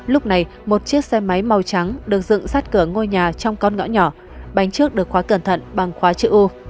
lúc này một chiếc xe máy màu trắng được dựng sát cửa ngôi nhà trong con ngõ nhỏ bánh trước được khóa cẩn thận bằng khóa chữ ô